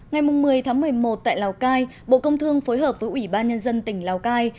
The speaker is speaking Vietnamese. ngày một mươi tháng một mươi một tại lào cai bộ công thương phối hợp với ủy ban nhân dân tỉnh lào cai